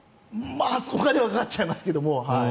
そこはでもかかっちゃいますけども。